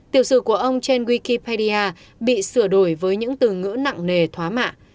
tiểu sự của ông trên wikipedia bị sửa đổi với những từ ngữ nặng nề thoá mạ